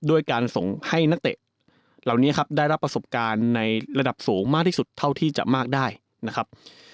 ด้วยการส่งให้นักเตะเหล่านี้ครับได้รับประสบการณ์ในระดับสูงมากที่สุดเท่าที่จะมากได้นะครับ